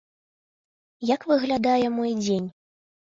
Як выглядае мой дзень?